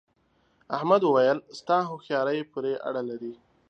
احمد وويل: ستا هوښیارۍ پورې اړه لري.